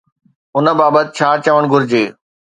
ان بابت ڇا چوڻ گهرجي؟